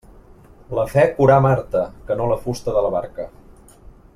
La fe curà Marta, que no la fusta de la barca.